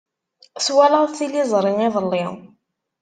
Twalaḍ tiliẓri iḍelli.